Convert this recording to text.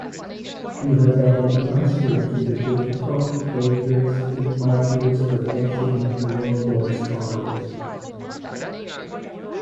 You have added luster to the difficult, dangerous and arduous profession of War Correspondent.